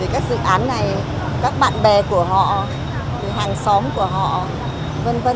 các dự án này các bạn bè của họ hàng xóm của họ v v